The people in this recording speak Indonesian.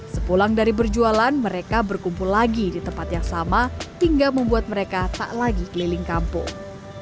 sepulang dari berjualan mereka berkumpul lagi di tempat yang sama hingga membuat mereka tak lagi keliling kampung